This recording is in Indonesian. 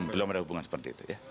belum ada hubungan seperti itu ya